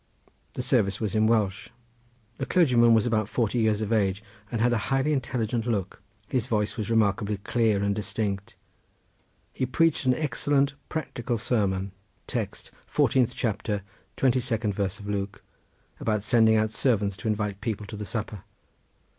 The service was in Welsh. The clergyman was about forty years of age, and had a highly intelligent look. His voice was remarkably clear and distinct. He preached an excellent practical sermon, text 14th chapter 22nd verse of Luke, about sending out servants to invite people to the supper.